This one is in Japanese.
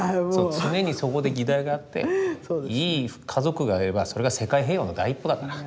常にそこで議題があっていい家族があればそれが世界平和の第一歩だから。